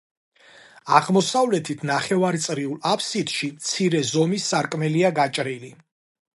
აღმოსავლეთით ნახევარწრიულ აფსიდში მცირე ზომის სარკმელია გაჭრილი.